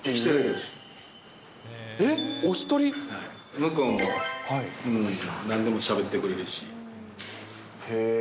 向こうもなんでもしゃべってくれるし。